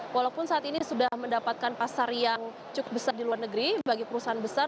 walaupun saat ini sudah mendapatkan pasar yang cukup besar di luar negeri bagi perusahaan besar